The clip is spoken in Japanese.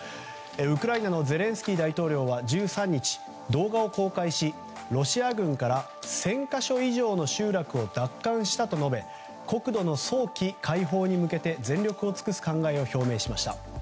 ウクライナのゼレンスキー大統領は１３日、動画を公開しロシア軍から１０００か所以上の集落を奪還したと述べ国土の早期解放に向けて全力を尽くす考えを表明しました。